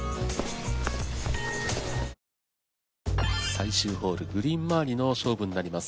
最終ホールグリーン周りの勝負になります。